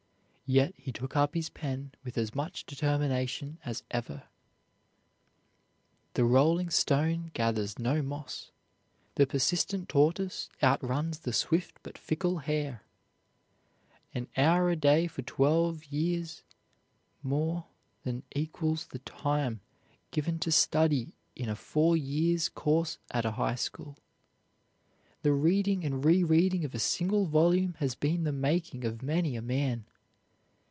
Yet he took up his pen with as much determination as ever. The rolling stone gathers no moss. The persistent tortoise outruns the swift but fickle hare. An hour a day for twelve years more than equals the time given to study in a four years' course at a high school. The reading and re reading of a single volume has been the making of many a man.